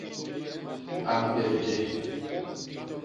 A mbep je.